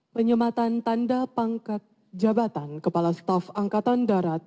penyematan tanda pangkat jabatan kepala staf angkatan darat